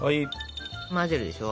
混ぜるでしょ。